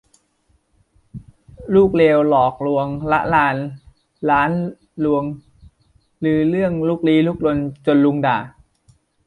ลูกเลวหลอกลวงระรานร้านรวงลือเลื่องลุกลี้ลุกลนจนลุงด่า